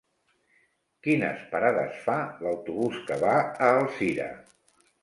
Quines parades fa l'autobús que va a Alzira?